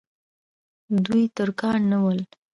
دوی ترکان نه ول.